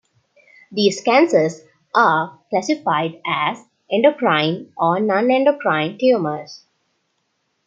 These cancers are classified as endocrine or nonendocrine tumors.